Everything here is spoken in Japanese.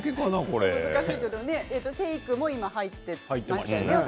シェイクも今入ってましたよね。